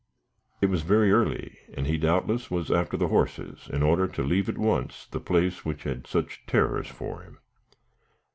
It was very early, and he doubtless was after the horses, in order to leave at once the place which had such terrors for him.